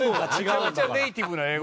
めちゃくちゃネイティブな英語。